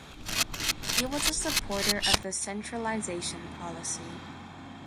He was a supporter of centralization policy.